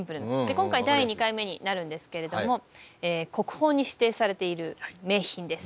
今回第２回目になるんですけれども国宝に指定されている名品です